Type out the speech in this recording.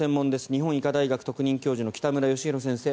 日本医科大学特任教授の北村義浩先生